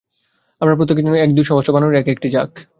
আমরা প্রত্যেকে যেন দুই সহস্র বানরের এক-একটি ঝাঁক।